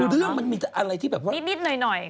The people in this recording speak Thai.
ดูเรื่องมันมีอะไรที่แบบว่านิดหน่อยก็ใจเย็น